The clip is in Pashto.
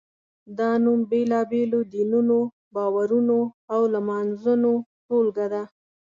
دا نوم بېلابېلو دینونو، باورونو او لمانځنو ټولګه ده.